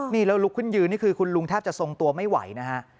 นี่แล้วลุกขึ้นยืนนี่คือคุณลุงแทบจะทรงตัวไม่ไหวนะฮะ